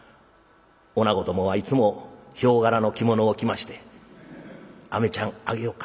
おなごどもはいつもヒョウ柄の着物を着まして『アメちゃんあげようか。